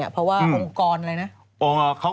เพราะว่าองค์กรอะไรนะ